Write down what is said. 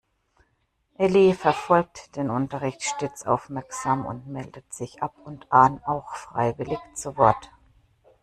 Elli verfolgt den Unterricht stets aufmerksam und meldet sich ab und an auch freiwillig zu Wort.